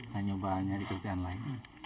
nah nyoba hanya di kerjaan lain